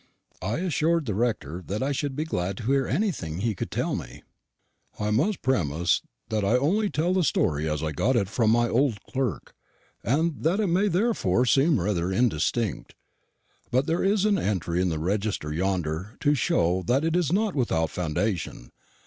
I assured the rector that I should be glad to hear anything he could tell me. "I must premise that I only tell the story as I got it from my old clerk, and that it may therefore seem rather indistinct; but there is an entry in the register yonder to show that it is not without foundation.